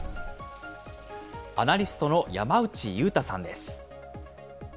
アナリストの山内優太さんです。